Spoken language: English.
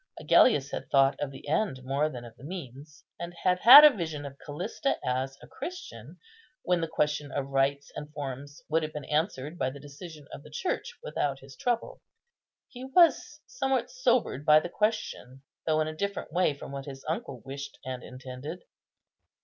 Agellius had thought of the end more than of the means, and had had a vision of Callista as a Christian, when the question of rites and forms would have been answered by the decision of the Church without his trouble. He was somewhat sobered by the question, though in a different way from what his uncle wished and intended.